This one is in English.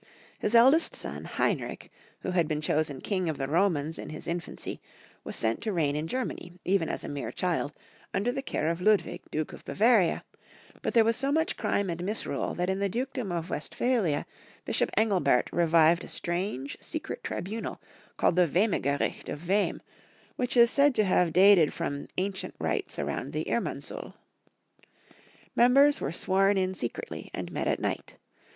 His eldest son, Heinrich, who had been chosen King of the Romans in his infancy, was sent to reign in Germany, even as a mere child, under the care of Ludwig, Duke of Bavaria, but there was so much crime and misrule that in the Dukedom of Westphalia Bishop Engelbert revived a strange secret tribunal called the Vehmegericht of Vehm, which is said to have dated from ancient rites around the Irmansul. Members were sworn in secretly, and met at night.